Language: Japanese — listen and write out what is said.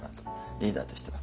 リーダーとしては。